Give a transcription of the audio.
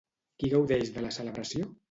Qui gaudeix de la celebració?